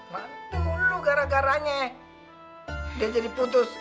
mak dulu gara garanya dia jadi putus